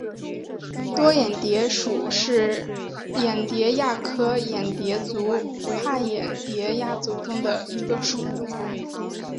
多眼蝶属是眼蝶亚科眼蝶族帕眼蝶亚族中的一个属。